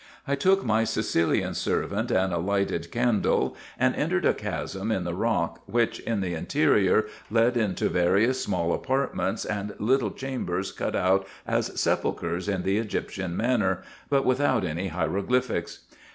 I took my Sicilian servant and a lighted candle, and entered a chasm in the rock, which in the interior led into various small apartments, and little chambers cut out as sepulchres in the Egyptian manner, but without any hiero glyphics.